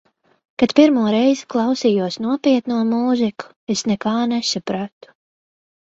Kad pirmo reizi klausījos nopietno mūziku, es nekā nesapratu.